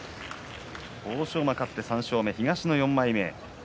欧勝馬、勝って３勝目東の４枚目。